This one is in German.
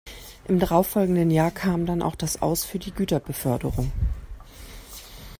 Im darauffolgenden Jahr kam dann auch das Aus für die Güterbeförderung.